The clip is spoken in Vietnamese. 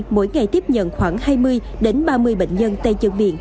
mỗi ngày tiếp nhận khoảng hai mươi ba mươi bệnh nhân tay chân miệng